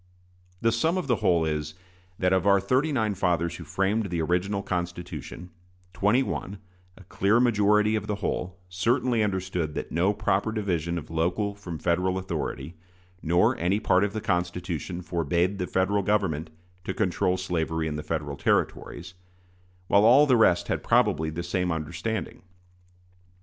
The sum of the whole is, that of our thirty nine fathers who framed the original Constitution, twenty one a clear majority of the whole certainly understood that no proper division of local from Federal authority, nor any part of the Constitution, forbade the Federal Government to control slavery in the Federal Territories; while all the rest had probably the same understanding.